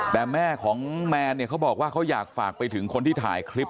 แต่แม่ของแมนเนี่ยเขาบอกว่าเขาอยากฝากไปถึงคนที่ถ่ายคลิป